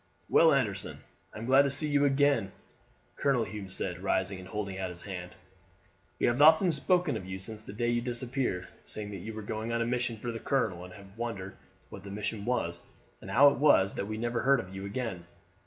"Well, Anderson, I am glad to see you again," Colonel Hume said, rising and holding out his hand. "We have often spoken of you since the day you disappeared, saying that you were going on a mission for the colonel, and have wondered what the mission was, and how it was that we never heard of you again."